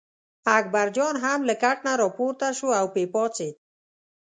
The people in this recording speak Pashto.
اکبرجان هم له کټ نه راپورته شو او یې پاڅېد.